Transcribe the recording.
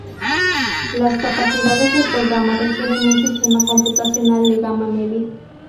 Las capacidades del programa requieren un sistema computacional de gama media.